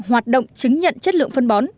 hoạt động chứng nhận chất lượng phân bón